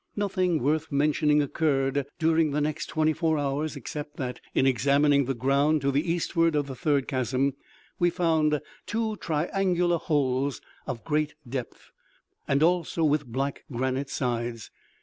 Nothing worth mentioning occurred during the next twenty four hours, except that, in examining the ground to the eastward of the third chasm, we found two triangular holes of great depth, and also with black granite sides.